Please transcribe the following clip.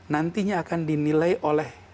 nantinya akan dinilai oleh